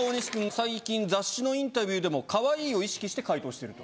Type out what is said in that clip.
最近雑誌のインタビューでもかわいいを意識して回答してると。